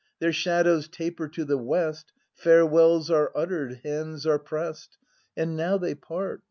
Their shadows taper to the west. Farewells are utter'd, hands are pressed. And now they part.